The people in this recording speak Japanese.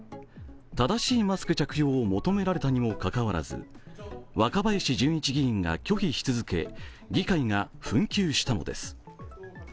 正しいマスク着用も求められたにもかかわらず、若林純一議員が拒否し続け、議会が紛糾したのです。